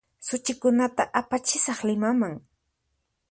Suchikunata apachisaq Limaman